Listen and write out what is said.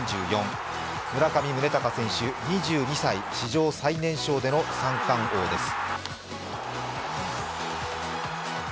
村上宗隆選手２２歳、史上最年少での三冠王です。